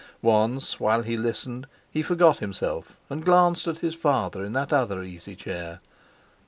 Once, while he listened, he forgot himself and glanced at his father in that other easy chair.